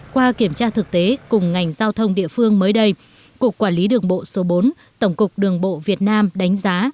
qua kiểm tra thực tế cùng ngành giao thông địa phương mới đây cục quản lý đường bộ số bốn tổng cục đường bộ việt nam đánh giá